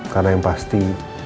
karena yang pasti